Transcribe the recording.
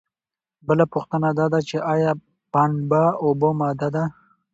بله پوښتنه دا ده چې ایا پنبه اومه ماده ده؟